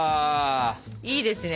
いいですね。